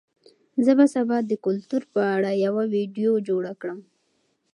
زه به سبا د کلتور په اړه یوه ویډیو جوړه کړم.